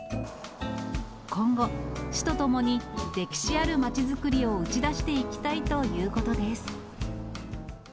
今後、市とともに歴史ある街づくりを打ち出していきたいということです。